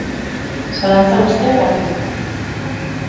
Zalantza guztiak, argituta.